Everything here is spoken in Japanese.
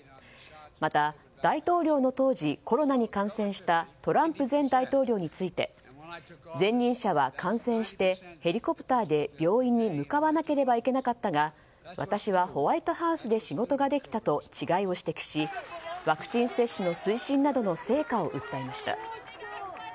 また、大統領の当時コロナに感染したトランプ前大統領について前任者は感染してヘリコプターで病院に向かわなければいけなかったが私はホワイトハウスで仕事ができたと違いを指摘しワクチン接種の推進など成果を訴えました。